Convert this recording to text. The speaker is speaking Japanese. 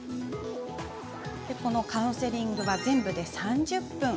カウンセリングは全部で３０分。